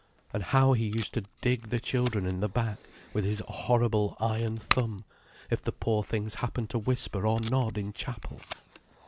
And how he used to dig the children in the back with his horrible iron thumb, if the poor things happened to whisper or nod in chapel!